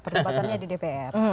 perdebatannya di dpr